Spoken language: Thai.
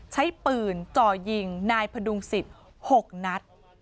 ใช้ปืนจ่อยิงนายพดุงสิทธิ์๖นัด